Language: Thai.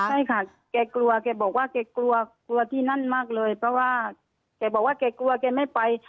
ใช่ค่ะแกกลัวแกบอกว่าแกกลัวกลัวที่นั่นมากเลยเพราะว่าแกบอกว่าแกกลัวแกไม่ไป